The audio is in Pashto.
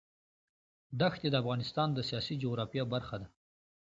دښتې د افغانستان د سیاسي جغرافیه برخه ده.